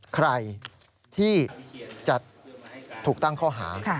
ใครที่จะถูกตั้งข้อหา